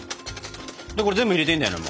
これ全部入れていいんだよね？